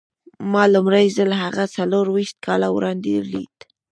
ما لومړی ځل هغه څلور ويشت کاله وړاندې وليد.